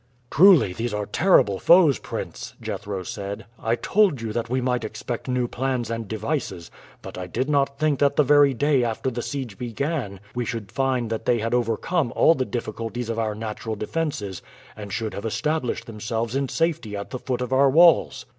"Truly these are terrible foes, prince," Jethro said. "I told you that we might expect new plans and devices, but I did not think that the very day after the siege began we should find that they had overcome all the difficulties of our natural defenses, and should have established themselves in safety at the foot of our walls."